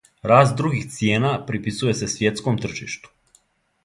Раст других цијена приписује се свјетском тржишту.